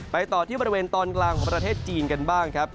ต่อที่บริเวณตอนกลางของประเทศจีนกันบ้างครับ